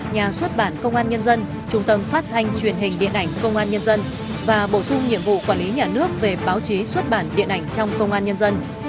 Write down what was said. nhà xuất bản công an nhân dân trung tâm phát thanh truyền hình điện ảnh công an nhân dân và bổ sung nhiệm vụ quản lý nhà nước về báo chí xuất bản điện ảnh trong công an nhân dân